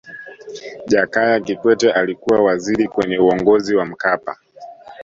jakaya kikwete alikuwa waziri kwenye uongozi wa mkapa